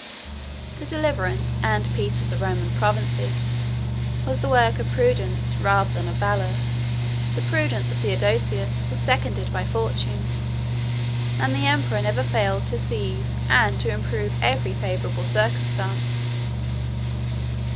] The deliverance and peace of the Roman provinces 119 was the work of prudence, rather than of valor: the prudence of Theodosius was seconded by fortune: and the emperor never failed to seize, and to improve, every favorable circumstance.